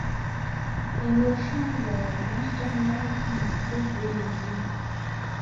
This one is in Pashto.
تیمورشاه ګورنر جنرال ته مکتوب ولېږی.